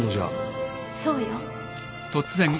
そうよ